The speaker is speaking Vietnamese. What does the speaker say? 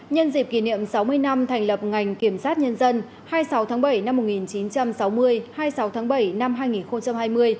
nhân dịp kỷ niệm sáu mươi năm thành lập ngành kiểm sát nhân dân hai mươi sáu tháng bảy năm một nghìn chín trăm sáu mươi hai mươi sáu tháng bảy năm hai nghìn hai mươi